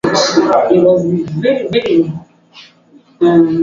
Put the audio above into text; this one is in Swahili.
Mwaka mmoja uliopita waligundua kuwa mmoja wa vijana hao alifanya mauaji ya watu nyeti